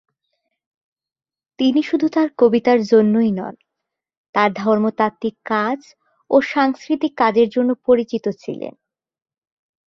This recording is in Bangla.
তিনি শুধু তার কবিতার জন্যই নন, তার ধর্মতাত্ত্বিক কাজ ও সাংস্কৃতিক কাজের জন্য পরিচিত ছিলেন।